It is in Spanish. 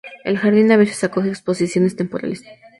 El Jardín a veces acoge exposiciones temporales.